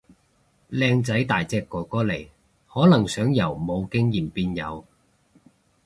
靚仔大隻哥哥嚟，可能想由冇經驗變有